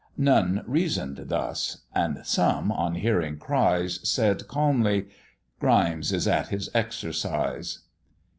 None reason'd thus and some, on hearing cries, Said calmly, "Grimes is at his exercise."